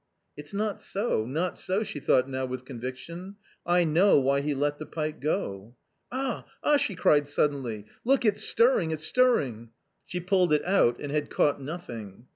" It's not so, not so," she thought now with conviction, " I know why he let the pike go." " Ah ! ah !" she cried suddenly, " look, it's stirring, it's stirring." She pulled it out and had caught nothing.